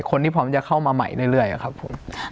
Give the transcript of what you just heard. พร้อมจะเข้ามาใหม่เรื่อยครับผม